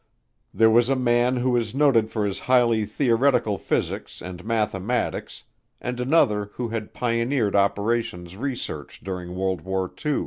There was a man who is noted for his highly theoretical physics and mathematics, and another who had pioneered operations research during World War II.